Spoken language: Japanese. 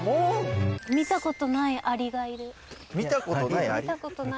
見たことないアリがいる。